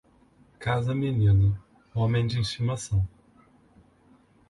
Casa menino, homem de estimação.